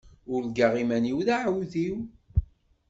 Urgaɣ iman-iw d aεewdiw.